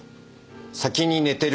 「先に寝てる。